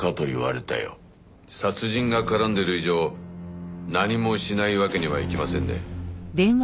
殺人が絡んでいる以上何もしないわけにはいきませんね。